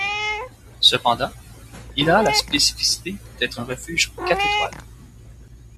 Cependant, il a la spécificité d'être un refuge quatre étoiles.